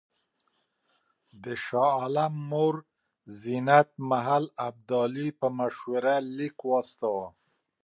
د شاه عالم مور زینت محل ابدالي په مشوره لیک واستاوه.